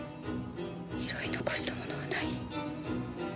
拾い残したものはない？